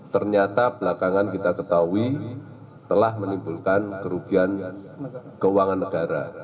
ternyata belakangan kita ketahui telah menimbulkan kerugian keuangan negara